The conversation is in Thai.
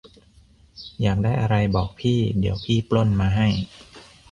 อยากได้อะไรบอกพี่ เดี๋ยวพี่ปล้นมาให้